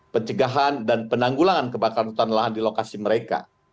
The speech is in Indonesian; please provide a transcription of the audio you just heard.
pencegahan dan penanggulangan kebakaran hutan lahan di lokasi mereka